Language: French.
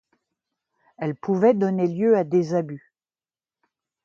Elle pouvait donner lieu à des abus.